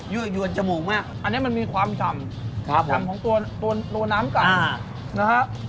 ยั่วยั่วจมูกมากอันนี้มันมีความฉ่ำครับผมของตัวตัวตัวน้ำกลับอ่า